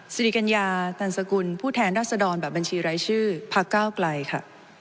สิริกัญญาตันสกุลผู้แทนราชดรแบบบัญชีไร้ชื่อพกไกล่ค่ะ